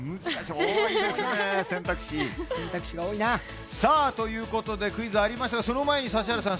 多いですね、選択肢。ということでクイズありましたが、その前に指原さん